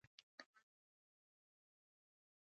يره که ووځې موږ دواړه وژني دا ځای رسوا کېږي.